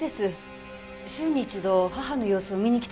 週に一度義母の様子を見に来てて。